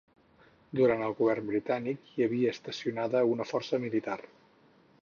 Durant el govern britànic hi havia estacionada una força militar.